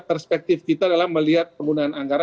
perspektif kita dalam melihat kegunaan anggaran